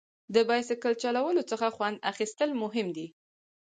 د بایسکل چلولو څخه خوند اخیستل مهم دي.